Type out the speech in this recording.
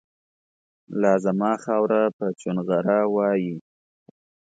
لازما خاوره به چونغره وایي